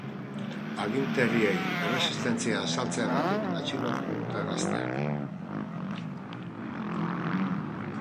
Agintariei erresistentzia azaltzeagatik atxilotu dute gaztea.